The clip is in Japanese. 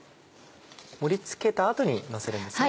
盛り付けた後にのせるんですね。